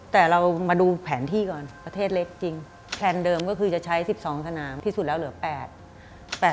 แต่เรามาดูแผนที่ก่อนประเทศเล็กจริงแพลนเดิมก็คือจะใช้๑๒สนามที่สุดแล้วเหลือ๘๘